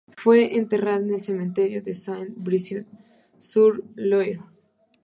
Fue enterrada en el Cementerio de Saint-Brisson-sur-Loire.